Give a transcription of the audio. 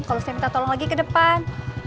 kalau saya minta tolong lagi ke depan